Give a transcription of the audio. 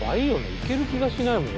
行ける気がしないもん